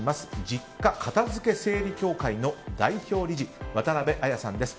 実家片づけ整理協会の代表理事渡辺亜矢さんです。